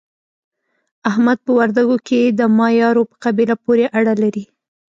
احمد په وردګو کې د مایارو په قبیله پورې اړه لري.